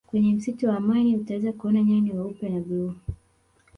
kwenye msitu wa amani utaweza kuona nyani weupe na bluu